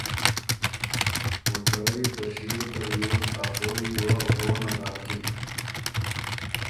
او ته رئ ته شیو ته ریوز ا خووی وه غونه داکِن۔